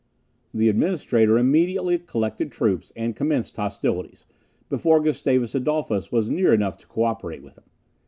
The Administrator immediately collected troops and commenced hostilities, before Gustavus Adolphus was near enough to co operate with him.